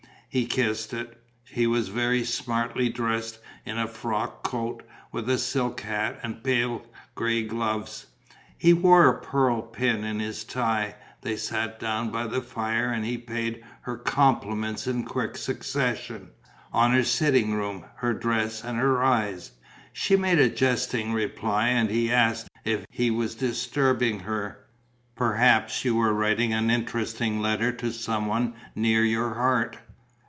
He kissed it. He was very smartly dressed in a frock coat, with a silk hat and pale grey gloves; he wore a pearl pin in his tie. They sat down by the fire and he paid her compliments in quick succession, on her sitting room, her dress and her eyes. She made a jesting reply; and he asked if he was disturbing her: "Perhaps you were writing an interesting letter to some one near your heart?"